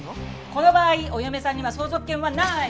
この場合お嫁さんには相続権はない！